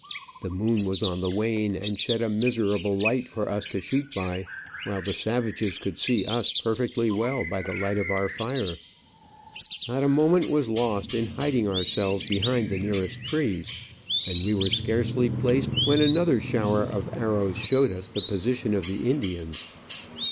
The moon was on the wane, and shed a miserable light for us to shoot by, while the savages could see us perfectly well by the light of our fire. Not a moment Digitized by VjOOQIC 1 68 Travels and Adventures was lost in hiding ourselves behind the nearest trees, and we were scarcely placed when ^mother shower of arrows showed us the position of the Indians.